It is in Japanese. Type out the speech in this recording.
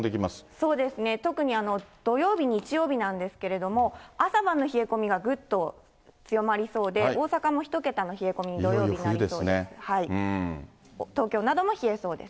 そうですね、特に土曜日、日曜日なんですけれども、朝晩の冷え込みがぐっと強まりそうで、大阪も１桁の冷え込み続きそうです。